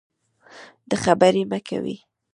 د خبرې مه کوئ.